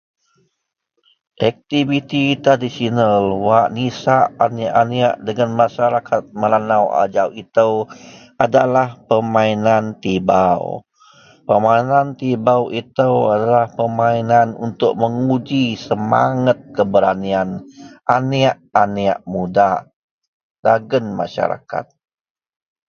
Aktiviti tradisional wak nisak anek-anek dagen masyarakat melanau ajau ito adalah permainan tibou. Permainan tibou ito adalah permainan untuk menguji semanget keberanian anek-anek mudak dagen masyarakat.